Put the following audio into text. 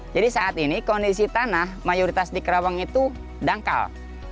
jadi saat ini kondisi tanah mayoritas di karawang itu dangkal